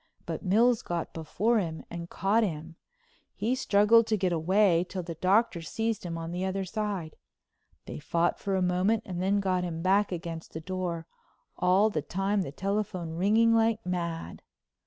But Mills got before him and caught him. He struggled to get away till the Doctor seized him on the other side. They fought for a moment, and then got him back against the door, all the time the telephone ringing like mad.